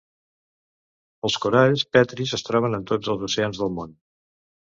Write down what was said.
Els coralls petris es troben en tots els oceans del món.